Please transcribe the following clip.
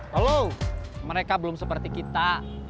kalau mereka belum seperti kita